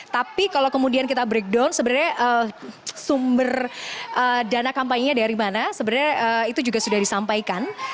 tapi kalau kemudian kita breakdown sebenarnya sumber dana kampanye nya dari mana sebenarnya itu juga sudah disampaikan